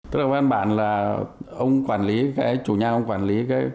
thưa đồng bản ông quản lý chủ nhà ông quản lý